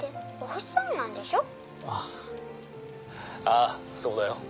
あぁそうだよ。